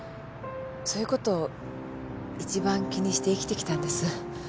そういうことを一番気にして生きてきたんです。